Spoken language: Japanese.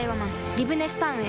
リブネスタウンへ